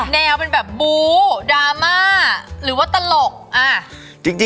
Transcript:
แบบแต่งดราม่าหรือว่าตลก